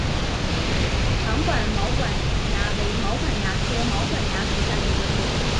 长管毛管蚜为毛管蚜科毛管蚜属下的一个种。